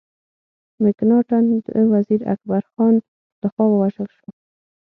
مکناټن د وزیر اکبر خان له خوا ووژل سو.